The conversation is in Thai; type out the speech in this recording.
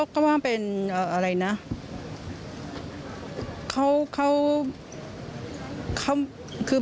สำหรับเมื่อวันข่าวเลือก